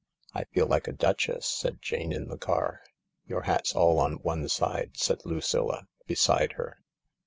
" I feel like a duchess," said Jane in the car. "Your hat's all on one side," said Lucilla beside her.